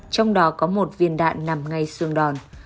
trong đó có một viên đạn nằm ngay xương đòn